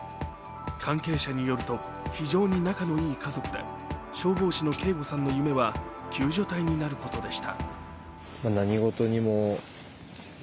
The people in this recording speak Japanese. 関係者によると非常に仲のいい家族で消防士の啓吾さんの夢は救助隊になることでした。